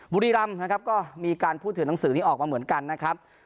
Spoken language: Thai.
บุรีรำนะครับก็มีการพูดถึงหนังสือนี้ออกมาเหมือนกันนะครับ